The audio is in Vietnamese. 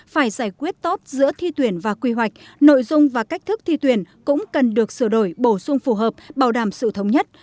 phải giải quyết tốt giữa thi tuyển và quy hoạch nội dung và cách thức thi tuyển cũng cần được sửa đổi bổ sung phù hợp bảo đảm sự thống nhất